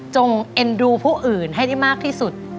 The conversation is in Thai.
เอ็นดูผู้อื่นให้ได้มากที่สุด